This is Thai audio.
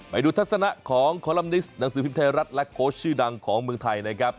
ทัศนะของคอลัมนิสหนังสือพิมพ์ไทยรัฐและโค้ชชื่อดังของเมืองไทยนะครับ